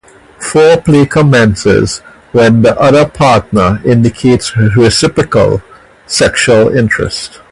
Foreplay commences when the other partner indicates reciprocal sexual interest.